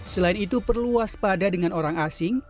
selain itu perlu waspada dengan orang asing